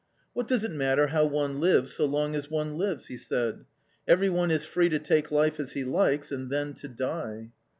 " What does it matter how one lives so long as one lives !" he said. " Every one is free to take life as he likes, and then to die."